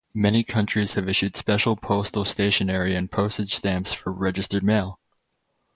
Many countries have issued special postal stationery and postage stamps for registered mail.